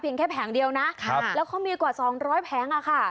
เพียงแค่แผงเดียวนะแล้วเขามีกว่าสองร้อยแผงค่ะ